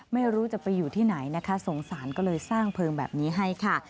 ไม่รู้จะไปอยู่ที่ไหนนะคะสงสารก็เลยสร้างเพลิงแบบนี้ให้ค่ะ